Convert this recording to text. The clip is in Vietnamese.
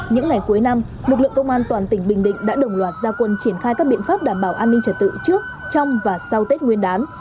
những ngày cuối năm lực lượng công an toàn tỉnh bình định đã đồng loạt gia quân triển khai các biện pháp đảm bảo an ninh trật tự trước trong và sau tết nguyên đán